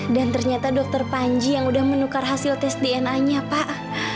dan ternyata dokter panji yang udah menukar hasil tes dna nya pak